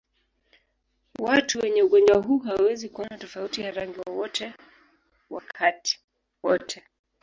Watu wenye ugonjwa huu hawawezi kuona tofauti ya rangi wakati wote.